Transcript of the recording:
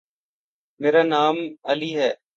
میرا نام علی ہے۔